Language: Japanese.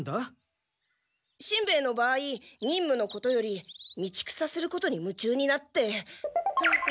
場合任務のことより道草することに夢中になって。